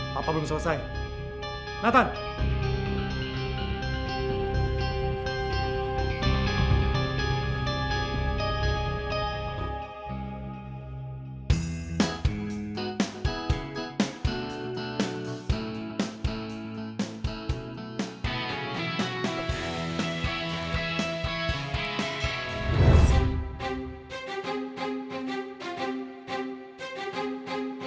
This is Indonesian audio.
papa belum selesai